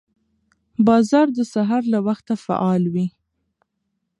بازار د سهار له وخته فعال وي